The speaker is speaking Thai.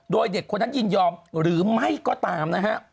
โดยเด็กคนนั้นยินยอมหรือไม่ก็ตามนะฮะ